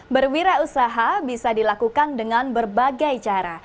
berwira usaha bisa dilakukan dengan berbagai cara